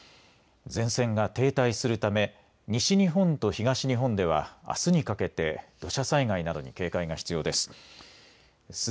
前線が停滞するため西日本と東日本ではあすにかけて土砂災害などに警戒が必要です。